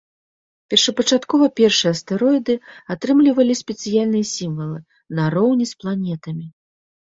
Першапачаткова першыя астэроіды атрымлівалі спецыяльныя сімвалы нароўні з планетамі.